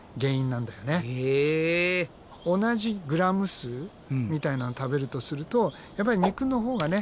同じグラム数みたいなのを食べるとするとやっぱり肉のほうがね